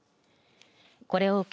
これを受け